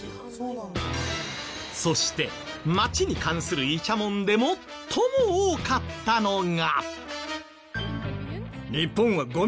そして街に関するイチャモンで最も多かったのが。